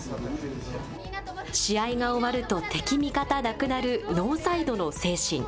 試合が終わると敵味方がなくなるノーサイドの精神。